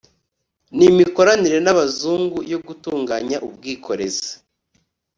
n imikoranire n abazungu yo gutunganya ubwikorezi